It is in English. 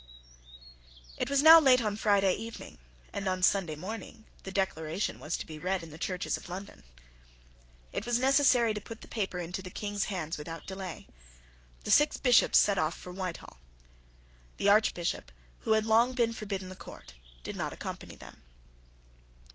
It was now late on Friday evening: and on Sunday morning the Declaration was to be read in the churches of London. It was necessary to put the paper into the King's hands without delay. The six Bishops set off for Whitehall. The Archbishop, who had long been forbidden the court, did not accompany them.